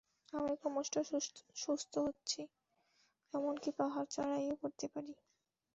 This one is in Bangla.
আমি ক্রমশ সুস্থ হচ্ছি, এমন কি পাহাড়-চড়াইও করতে পারি।